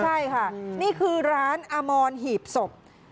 ใช่ค่ะนี่คือร้านอมอนหีบศพ